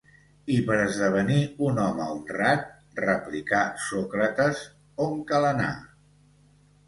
I per esdevenir un home honrat, replicà Sòcrates, on cal anar?